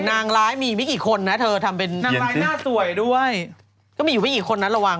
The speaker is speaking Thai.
นางร้ายมีไว้ไม่กี่คนนะเธอทำเป็นหน้าสวยด้วย